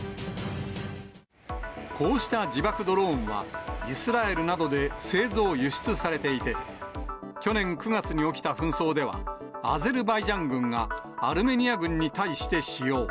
こうした自爆ドローンは、イスラエルなどで製造・輸出されていて、去年９月に起きた紛争では、アゼルバイジャン軍がアルメニア軍に対して使用。